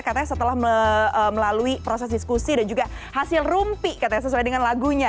katanya setelah melalui proses diskusi dan juga hasil rumpi katanya sesuai dengan lagunya